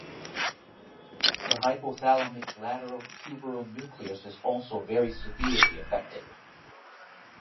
The hypothalamic lateral tuberal nucleus is also very severely affected.